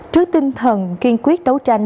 trước tinh thần kiên quyết đấu tranh